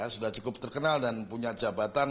sudah cukup terkenal dan punya jabatan